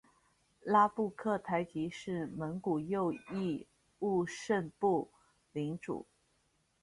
拉布克台吉是蒙古右翼兀慎部领主。